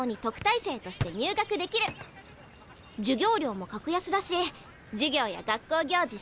授業料も格安だし授業や学校行事